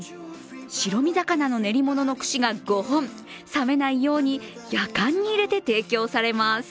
白身魚の練り物の串が５本、冷めないようにやかんに入れて提供されます。